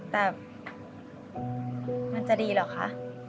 แต่มันจะดีเหรอคะ